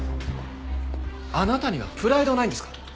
あなたにはプライドはないんですか？